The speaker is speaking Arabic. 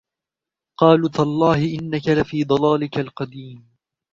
قالوا تالله إنك لفي ضلالك القديم